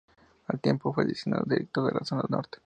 Al tiempo fue designado director de la zona norte.